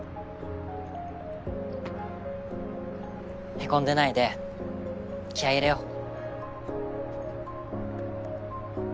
ヘコんでないで気合入れよう。